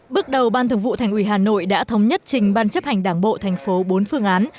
bước đầu ban thường vụ thành ủy hà nội đã thống nhất trình ban chấp hành đảng bộ tp bốn phương án